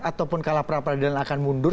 ataupun kalah peradilan akan mundur